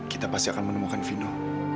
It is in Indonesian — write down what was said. kita pasti akan menemukan fino